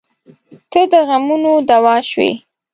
• ته د غمونو دوا شوې.